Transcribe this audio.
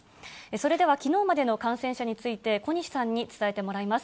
それでは、きのうまでの感染者について、小西さんに伝えてもらいます。